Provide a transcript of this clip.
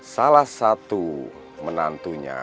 salah satu menantunya